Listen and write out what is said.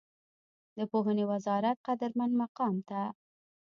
د پوهنې وزارت قدرمن مقام ته